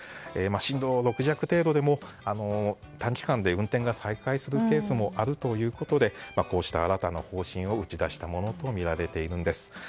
震度６弱程度でも短期間で運転が再開するケースもあるということでこうした新たな方針を打ち出したものとみられているんです。